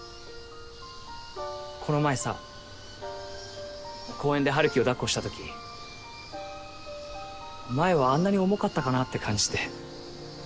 この前さ公園で春樹を抱っこしたとき前はあんなに重かったかなって感じて。